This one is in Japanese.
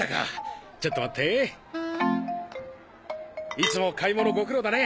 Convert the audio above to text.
いつも買い物ご苦労だね。